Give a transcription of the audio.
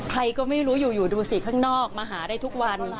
ใครก็ไม่รู้อยู่ดูสิข้างนอกมาหาได้ทุกวัน